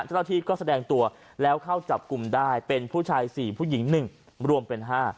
เจ้าหน้าที่ก็แสดงตัวแล้วเข้าจับกลุ่มได้เป็นผู้ชาย๔ผู้หญิง๑รวมเป็น๕